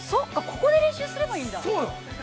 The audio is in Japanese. ここで練習すればいいんだ。